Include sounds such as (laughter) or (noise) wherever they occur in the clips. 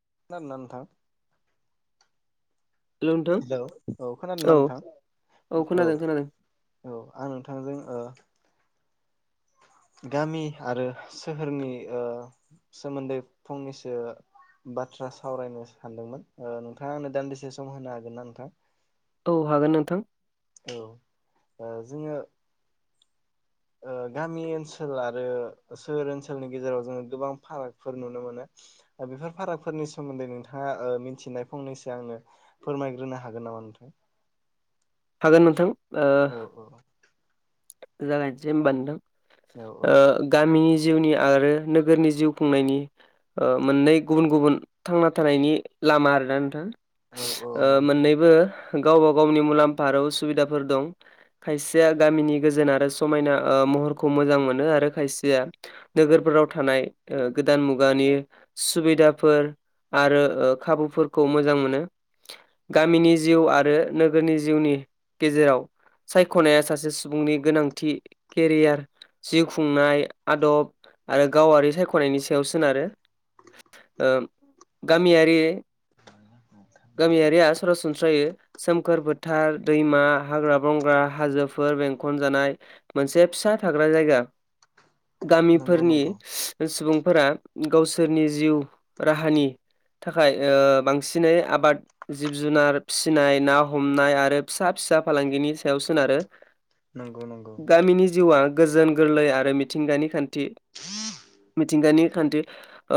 खोनादों ना नोंथां? हेल' नोंथां हेलौ औ खोनादोंना नोंथां औ। खोनादों खोनादों औ आं नोंथांजों ओ गामि आरो सोहोरनि सोमोन्दै फंनैसो बाथ्रा सावरायनो सानदोंमोन नोंथाङा आंनो दान्दिसे सम होनो हागोन ना नोंथां? औ हागोन नोंथां। औ ओ जोङो गामि ओनसोल आरो सोहोर ओनसोलनि गेजेराव जोङो गोबां फारागफोर नुनो मोनो। बेफोर फारागफोरनि सोमोन्दै नोंथाङा मिथिनाय फंनैसो आंनो फोरमायग्रोनो हागोन नामा? (inaudible) हागोन नोंथां। औ औ जागायसै होनबा औ नोथां गामिनि जिउनि आरो नोगोरनि जिउ खुंनायनि मोननै गुबुन गुबुन थांना थानायनि लामा आरोना नोंथां। औ औ नंगौ मोननैबो गावबा गावनि मुलाम्फा बाराव सुबिदाफोर दं खायसेया गामिनि गोजोन आरो समायना महरखौ मोजां मोनो आरो। आरो खायसेया नोगोरफोराव थानाय गोदान मुगानि सुबिदाफोर आरो खाबुफोरखौ मोजां मोनो गामिनि जिउ आरो नोगोरनि जिउनि गेजेराव सायख'नाया सासे सुबुंनि गोनांथि केरियार जिउ खुंनाय आदब आरो गावारि सायख'नायनि सायाव सोनारो। ओ गामियारि गामियारिया सरासनस्रायै सोमखोर फो थार दैमा हाग्रा बंग्रा हाजोफोर बेंखन जानाय मोनसे फिसा थाग्रा जायगा। नंगौ गामिफोरनि नंगौ सुबुं फोरा गावसोरनि जिउ राहानि थाखाय बांसिनै आबाद जिब जुनार फिसिनाय ना हम नाय आरो फिसा फिसा फालांगिनि सायाव सोनारो नंगौ नंगौ गामिनि जिउआ गोजोन गोरलै आरो मिथिंगानि खान्थि मिथिंगानि खान्थि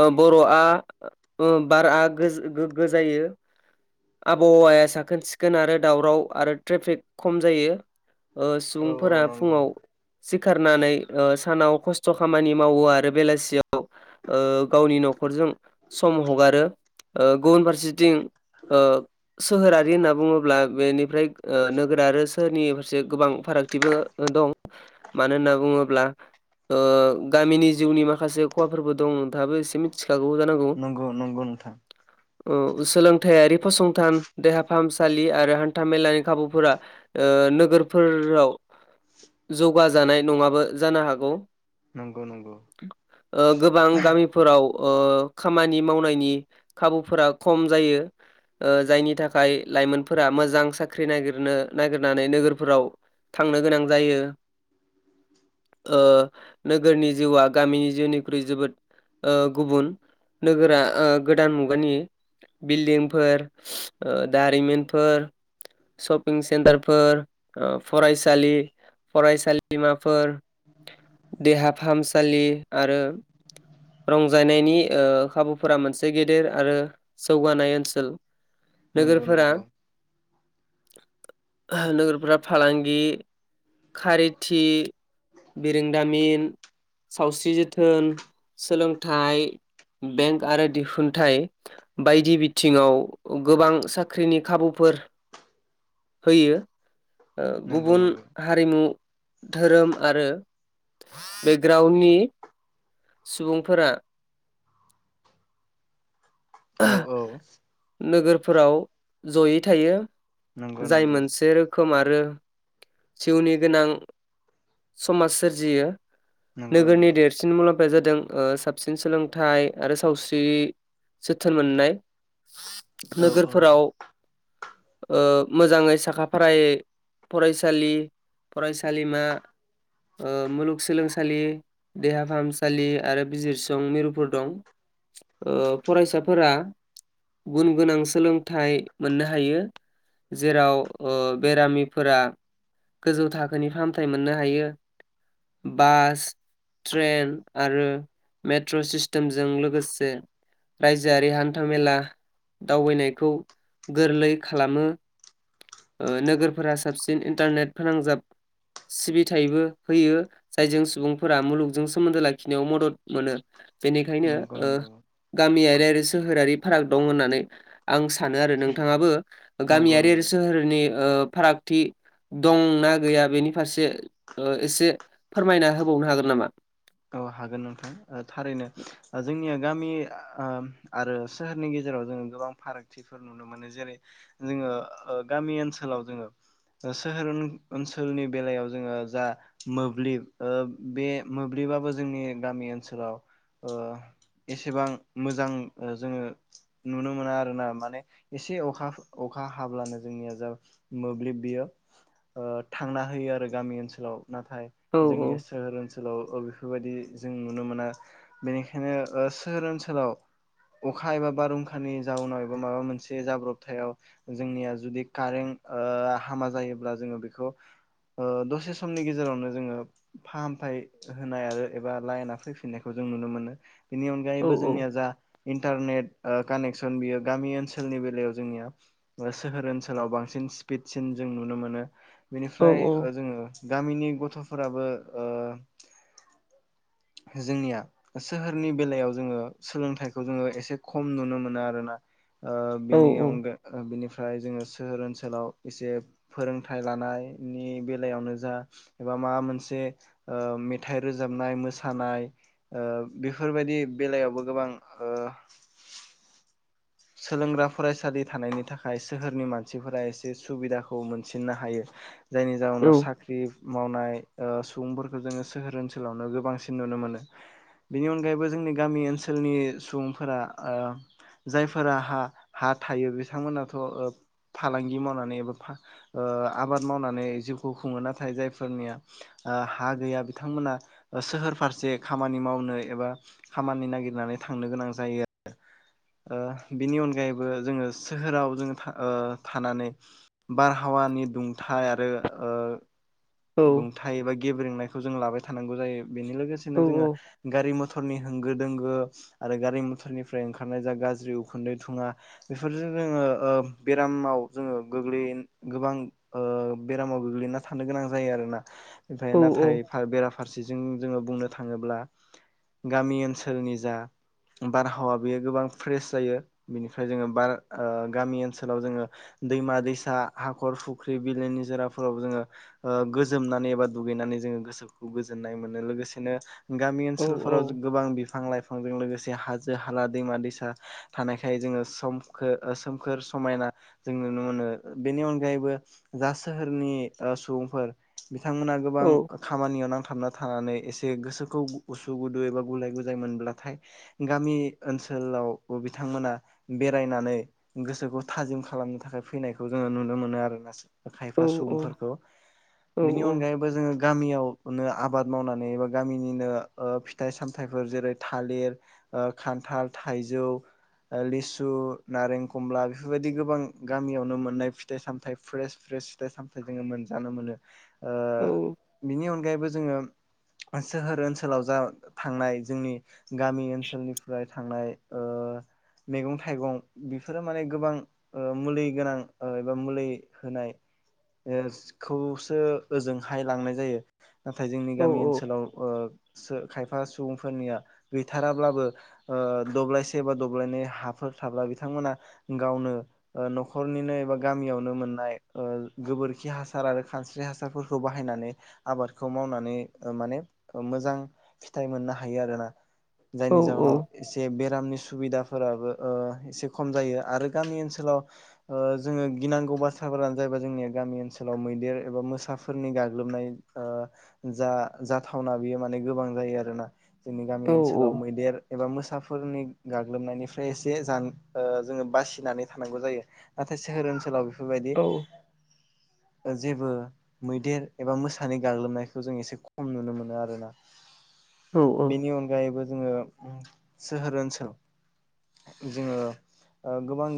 ओ बर'आ बारआ गोग्गो जायो (inaudible) आबहावाया साखोन सिखोन आरो दावराव आरो ट्रेफिक खम जायो। औ औ सुबुंफोरा नंगौ फुङाव। सिखारनानै सानाव खस्थ' खामानि मावो आरो बेलासियाव गावनि। न'खरजों सम हगारो। गुबुन फारसेथिं सोहोरारि होननानै बुङोब्ला बेनिफ्राय नोगोर आरो सोहोरनि फारसे गोबां फारागथिबो दं। मानो होनना बुङोब्ला गामिनि जिउनि माखासे खहाफोरबो दं नोंथाङाबो एसे मिथि। नंगौ नंगौ नोंथां। औ सोलोंथायारि फसंथान देहा फाहामसालि। लि आरो हान्थाामेलानि खाबुफोरा नोगोरफोराव। जौगाजानाय नङाबो जानो हागौ। नंगौ नंगौ। गोबां गामिफोराव खामानि मावनायनि खाबुफोरा खम जायो। जायनि थाखाय लाइमोनफोरा मोजां साख्रि नागिरनो नागिरनानै नोगोरफोराव। थांनो गोनां जायो। नोगोरनि जिउआ गामिनि जिउनिख्रुइ जोबोद। गुबुन नोगोरा गोदान मुगानि। बिल्दिंफोर दारिमिन फोर। शपिं सेन्टारफोर फरायसालि। फरायसालिमाफोर देहा फाहामसालि आरो। रंजानायनायनि खाबुफोरा मोनसे गेदेर आरो जौगानाय ओनसोल। नंगौ नोगोरफोरा नंगौ। नोगोरफ्रा फालांगि खारिथि बिरोंदामिन सावस्रि जोथोन सोलोंथाइ बेंक आरो दिहुनथाइ बायदि बिथिङाव गोबां साख्रिनि खाबुफोर होयो औ नंगौ गुबुन नंगौ हारिमु धोरोम आरो बे ग्राउन्डनि सुबुंफोरा औ औ। फोराव जयै थायो नंगौ जाय नंगौ मोनसे रोखोम रोखोम आरो जिउनि गोनां समाज सोरजियो नंगौ नोगोरनि नंगौ देरसिन मुलाम्फाया जादों ओ साबसिन सोलोंथाइ आरो सावस्रि जोथोन मोननाय औ औ नोगोरफोराव ओ मोजाङै साखा फारायै फरायसालि फरायसालिमा ओ मुलुगसोलोंसालि देहा फाहामसालि आरो बिजिरसुं मिरुफोर दं ओ फरायसाफोरा गुन गोनां सोलोंथाइ मोननो हायो। जेराव ओ बेरामिफोरा गोजौ थाखोनि फाहामथाय मोननो हायो बास ट्रेन आरो मेट्र' सिस्टेमजों लोगोसे रायजोआरि हान्था मेला दावबायनायखौ गोरलै खालामो ओ नोगोरफोरा साबसिन इन्टारनेट फोनांजाब सिबिथायबो होयो जायजों सुबुंफोरा मुलुगजों सोमोन्दो लाखिनायाव मदद मोनो बेनिखायनो नंगौ ओ नंगौ गामियारि आरो सोहोरारि फाराग दं होननानै आं सा सानो आरो नोंथाङाबो नंगौ गामियारि नंगौ सोहोरनि ओ फारागथि। दं ना गैया बेनि फारसे ओ एसे फोरमायना होबावनो हागोन नामा? औ हागोन नोंथां ओ थारैनो ओ जोंनिया ओ गामि ओम आरो सोहोरनि गेजेराव। जेराव जोङो गोबां फारागथिफोर नुनो मोनो जेरै जोङो ओ गामि ओनसोलाव जोङो। ओ सोहोर ओनसोलनि बेलायाव जोङो जा मोब्लिब ओ बे। मोब्लिबाबो जोंनि गामि ओनसोलाव ओ। एसेबां मोजां जोङो नुनो मोना आरो ना माने एसे अखा अखा। अखा हाब्लानो जोंनिया जा मोब्लिब बियो ओ थांना होयो आरो गामि ओनसोलाव। नाथाय औ जोंनि सोहोर ओनसोलाव। अ बेफोरबायाददि जों नुनो मोना बेनिखायनो ओ सोहोर ओनसोलाव। अखा एबा बारहुंखानि जाउनाव एबा माबा मोनसे जाब्रबथायाव जोंनिया जुदि कारेन्ट। ओ हामा जायोब्ला जोङो बेखौ। ओ दसे समनि गेजेरावनो जोङो फाहामथाय। होनाय आरो एबा लाइना फैफिननायखौ जों नुनो मोनो बेनि औ अनगायैबो जोंनिया जा। इन्टारनेट कानेक्सन बियो गामि ओनसोलनि बेलायाव जोंनिया सोहोर ओनसोलाव बांसिन। स्पिडसिन जों नुनो मोनो। औ बेनिफ्राय ओ जोङो गामिनि गथ'फोराबो ओ। जोंनिया सोहोरनि बेलायाव जोङो सोलोंथाइखौ जोङो एसे खम नुनो मोनो आरोना। ओ औ बिनि अनगा ओ बिनिफ्राय। फ्राय जोङो सोहोर ओनसोलाव एसे फोरोंथाइ लानायनि बेलायावनो जा एबा। माबा मोनसे ओ मेथाइ रोजाबनाय मोसा। थानाय ओ बेफोरबायदि बेलायावबो गोबां ओ। सोलोंग्रा फरायसालि थानायनि थाखाय सोहोरनि मानसिफोरा एसे सुबिदाखौ मोनसिननो हायो। जायनि औ जाउनाव साख्रि। मावनाय ओ सुबुंफोरखौ जोङो सोहोर ओनसोलावनो गोबांसिन नुनो मोनो। बेनि अनगायैबो जोंनि गामि ओनसोलनि सुबुंफोरा जाय फोर हा हा थायो बिथांमोनाथ' फालांगि मावनानै एबा आबाद मावनानै जिउखौ खुङो नाथाय जायफोरनिया हा गैया बिथांमोना सोहोर फारसे खामानि मावनो एबा खामानि नागिरनानै थांनो गोनां जायो आरो बिनि अनगायैबो जोङो सोहोराव जोङ थानानै बारहावानि दुंथ हा आरो ओ औ दुंथाइ एबा गेब्रेंनायखौ जों लाबाय थानांगौ जायो बेनि लोगोसेनो औ जोङो गारि मथर मथरनि होंगो दोंगो आरो गारि मथरनिफ्राय ओंखारनाय जा गाज्रि उखुन्दै थुङा बेफोरजों जोङो बेरामाव जोङो गोग्लै गोबां बेरामाव गोग्लैना थानो गोनां जायो आरोना ओमफ्राय औ नाथाय बेराफारसेजों जोङो बुंनो थाङोब्ला गामि ओनसोलनि जा बारहावा बेयो गोबां फ्रेश जायो बिनिफ्राय जोङो बार गामि ओनसोलाव जोङो दैमा दैसा हाखर फुख्रि बिलोनि गोजोमनानै एबा दुगैनानै जोङो गोसोखौ गोजोननाय मोनो लोगोसेनो गामि ओनसोलफोराव गोबां बिफां लाइफांजों लोगोसे हाजो हाला दैमा दैसा थानायखाय जोङो सोमखोर समायना जो नुनो मोनो बेनि अनगायैबो जा सोहोरनि सुबुं फोर बिथांमोना गोबां खामानियाव नांथार बना थानानै एसे गोसोखौ उसु गुदु एबा गुलाय गुजाय मोनब्लाथाय गामि ओनसोल ओनसोलाव बिथांमोना बेरायनानै गोसोखौ थाजिम खालामनो थाखाय फैनायखौ जोङो नुनो मोन नुनो मोनो आरोना खायफा सुबुंफोरखौ औ बिनि अनगायैबो जोङो गामियाव नो आबाद मावनानै एबा गामिनिनो फिथाइ सामथायाइफोर जेरै थालिर खान्थाल थाइजौ लिसु नारेंखमला बेफोरबायदि गोबां गामियावनो मोननाय फिथाइ सामथाइ फ्रेस फेस स फिथाइ सामथाइ जोङो मोनजानो मोनो औ बिनि अनगायैबो जोङो सोहोर ओनसोलाव जा थांनाय जोंनि गामि ओनसोलनिफ्राय थांनाय ओ मैगं थाइगं बेफोरो माने गोबां ओ मुलि गोनां एबा ओ मुलि होनाय एस खौ ओ ओजोंहाय लांनाय जायो नाथाय जोंनि औ गामि ओनसोलाव ओ खायफा सुबुंफोरनिया गैथाराब्लाबो ओ दब्लायसे बा दब्लायनै हा फोर थाब्ला बिथांमोना गावनो न'खरनिनो एबा गामियावनो मोननाय गो बोरखि हासार आरो खानस्रि हासारफोरखौ बाहायनानै आबादखौ मावनानै माने मोजां फिथाइ मोनजा हायो आरो ना। औ जायनि जाउनाव औ बेरामनि सुबिदा फोराबो ओ एसे खम जायो। आरो गामि ओनसोलाव ओ जोङो गिनांगौ बाथ्राफोरानो जाब जोंनि गामि ओनसोलाव मैदेर एबा मोसाफोरनि गाग्लोबनाय ओ जा जाथावना बेयो माने गोबां जायो आरोना जोंनि औ गामि ओनसोलाव मैदेर एबा मोसाफोरनि गाग्लोबनायनिफ्राय एसे जा ओ जोङो बासिनानै थानांगौ जायो। नाथा सोहोर ओनसोलाव बेफोरबायदि औ जेबो मैदेर एबा मोसानाय गाग्लोबनायखौ जों एसे खम नुनो मोनो आरोना। औ बेनि अनगायैबो जोङो सोहोर ओनसोल जोङो ओ गोबां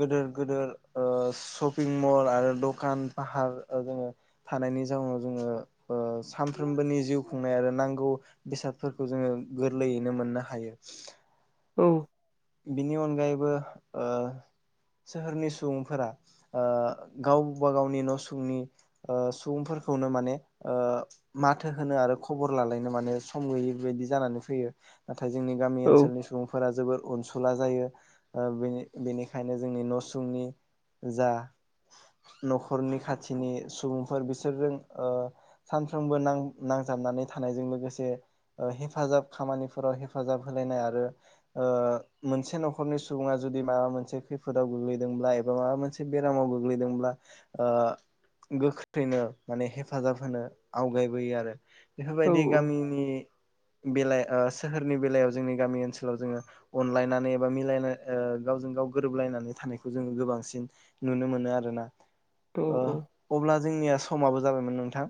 गेदेर गिदेर ओ शपिं मल आरो दक दखान फाहार जोङो थानायनि जाउनाव जोङो ओ सानफ्रोमबोनि जिउ खुंनाय आरो नांगौ बेसादफोरखौ जोङो गोरलैयैनो मोननो हायो। औ। बिनि अनगायैबो ओ सोहोरनि सुबुंफोरा ओ गावबा गावनि न' सुंनि सुबुंफोर नो माने माथो होनो आरो खबर लालायनो माने सम गैयै बेबायदि जानानै फैयो। नाथाय जोंनि गामि औ ओनसोलनि सुबुंफोरा जोबोर अनसुला जायो बेनि बेनिखायनो जोंनि न' सुंनि जा न'खरनि खाथिनि सुबुंफोर बिसोरजों ओ सानफ्रोमबो नां नां नांजाबनानै थानायजों लोगोसे हेफाजाब खामानिफोराव हेफाजाब होलायनाय आरो ओ मोनसे न'खरनि सुबुङा जुदि माबा मोनसे खैफोदाव गोग्लैदोंब्ला एबा माबा मोनसे बेरामाव गोग्लैदों ब्ला गोख्रैनो माने हेफाजाब होनो आवगायबोयो आरो बेफोरबायदि औ गामिनि बेलायाव ओ सोहोरनि बेलायाव जोंनि गामि ओनसोलाव जोङो अनलायनानै एबा मिलाय ओ गावजों गाव गोरोबलायनानै थानायखौ जोङो गोबांसिन नुनो मोनो आरोना। ओ औ अब्ला जोंनिया समाबो जाबायमोन नोंथां।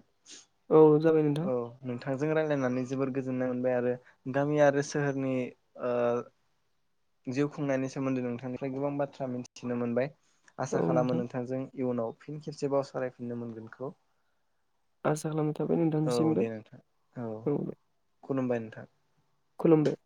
औ जाबाय नोंथां औ नोंथांजों रायजलायनानै जोबोर गोजोननाय मोनबाय आरो गामि आरो सोहोरनि ओ जिउ खुंनायनि सोमोन्दै नोंथांनिफ्राय गोबां बाथ्रा मिथिनो मोनबाय। औ आसा खालामो नोंथां नोंथांजों इयुनाव फिन खेबसेबाव सालायफिननो मोनगोनखौ। आसा खालामना थाबाय औ नोंथांनिसिमबो। दे नोंथां औ खुलुमबाय नोंथां खलुमबे